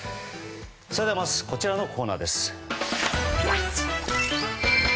それではまずこちらのコーナーです。